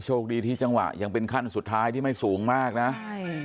โชคดีที่จังหวะยังเป็นขั้นสุดท้ายที่ไม่สูงมากนะใช่